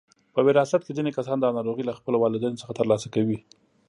په وراثت کې ځینې کسان دا ناروغي له خپلو والدینو څخه ترلاسه کوي.